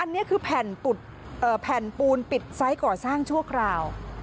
อันนี้คือแผ่นปูนปิดไซส์ก่อสร้างชั่วคราว